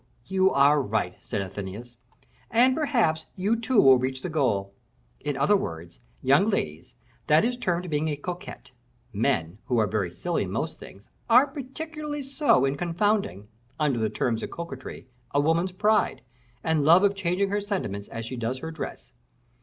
"You are right," said Athenais, "and, perhaps, you too will reach the goal. In other words, young ladies, that is termed being a coquette. Men, who are very silly in most things, are particularly so in confounding, under the term of coquetry, a woman's pride, and love of changing her sentiments as she does her dress.